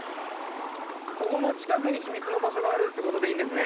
ここの近くに秘密の場所があるっていうことでいいんですね。